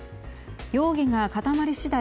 容疑が固まり次第